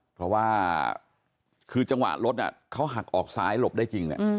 เพราะว่าคือจังหวะรถเขาหักออกซ้ายหลบได้จริง